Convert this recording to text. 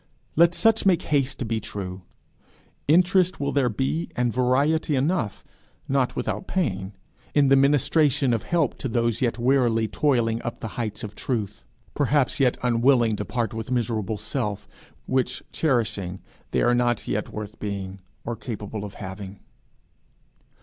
Let such make haste to be true. Interest will there be and variety enough, not without pain, in the ministration of help to those yet wearily toiling up the heights of truth perhaps yet unwilling to part with miserable self, which cherishing they are not yet worth being, or capable of having.